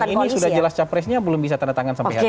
ini sudah jelas capresnya belum bisa tanda tangan sampai hari ini